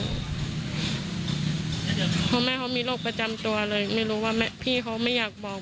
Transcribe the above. เพราะแม่เขามีโรคประจำตัวเลยไม่รู้ว่าพี่เขาไม่อยากบอก